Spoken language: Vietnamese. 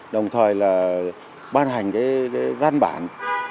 đồng thời là ban hành văn bản